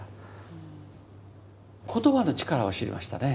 言葉の力を知りましたね。